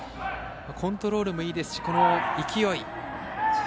コントロールもいいですし、勢い。